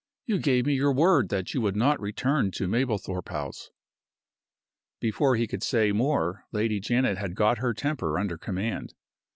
"You gave me your word that you would not return to Mablethorpe House." Before he could say more Lady Janet had got her temper under command.